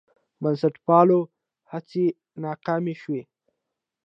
بنسټپالو هڅې ناکامې شوې.